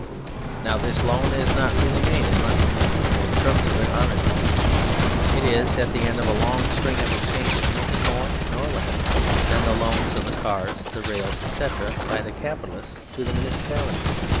Now this loan is not really made in money, though the terms of it are in money. It is, at the end of a long string of exchanges, nothing more nor less than the loan of the cars, the rails, etc., by the Capitalists to the Municipality.